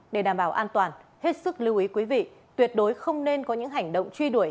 để đảm bảo an toàn hết sức lưu ý quý vị tuyệt đối không nên có những hành động truy đuổi